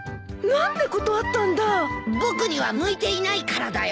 僕には向いていないからだよ。